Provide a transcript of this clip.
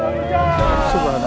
makasih ya allah